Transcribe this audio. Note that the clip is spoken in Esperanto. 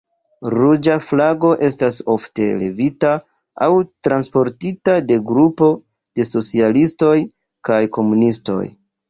Ruĝa flago estas ofte levita aŭ transportita de grupo de socialistoj kaj komunistoj.